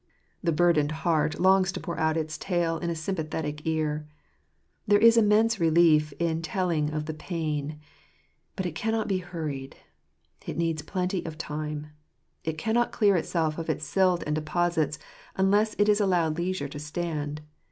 The burdened heart longs to pour out its tale in a sympathetic ear. . There ,s immense relief in the telling out of pain. But it cannot be hurried ; it needs plenty of time • it cannot clear itself of its silt and deposits unless ft i s allowed leisure to stand.